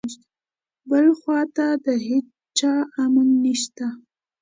بل خواته د هیچا امان نشته.